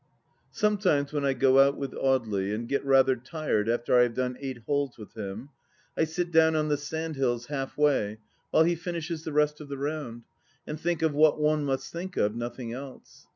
Sometimes, when I go out with Audely, and get rather tired after I have done eight holes with him, I sit down on the sandhills half way while he finishes the rest of the round, and think of what one must think of, nothing else.